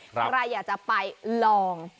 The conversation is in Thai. ใครอยากจะไปลอง